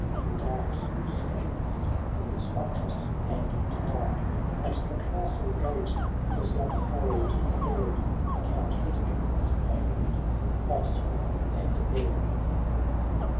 In darksome strength with its buttress and tower : At the castle gate was young Harold there, Count Witikind's only offspring and heir.